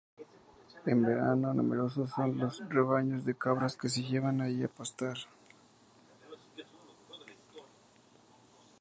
En verano, numerosos son los rebaños de cabras que se llevan allí a pastar.